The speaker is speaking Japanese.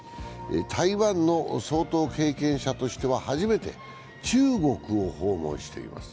台湾の総統経験者としては初めて中国を訪問しています。